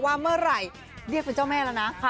ว่าเมื่อไหร่เรียกเป็นเจ้าแม่แล้วนะ